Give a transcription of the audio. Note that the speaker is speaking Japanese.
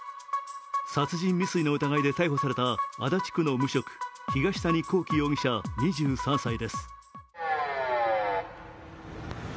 殺人未遂の疑いで逮捕された足立区の無職、東谷昂紀容疑者２３歳です。